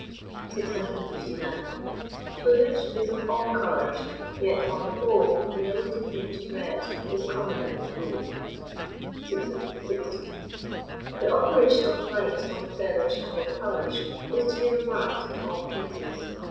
659. Plumage is of all colours, yet, on the whole, yellow deepening to red is commoner than blue. 660. The operation of light on the feathers and their colours, is to be remarked in all cases.